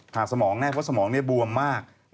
ผ่าสมองแน่เพราะสมองนี้บวมมาก